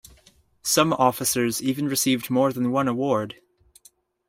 Some officers even received more than one award.